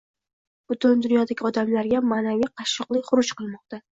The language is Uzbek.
Butun dunyodagi odamlarga ma’naviy qashshoqlik xuruj qilmoqda.